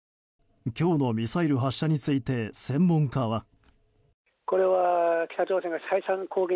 今日のミサイル発射について専門家は。